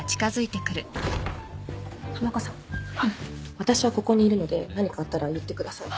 私はここにいるので何かあったら言ってください。